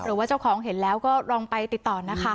หรือว่าเจ้าของเห็นแล้วก็ลองไปติดต่อนะคะ